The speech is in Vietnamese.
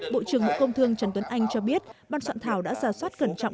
bộ trưởng hội công thương trần tuấn anh cho biết ban soạn thảo đã ra soát gần chẳng